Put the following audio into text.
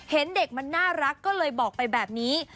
เห็นเด็กมันน่ารักก็เลยบอกไปแบบนี้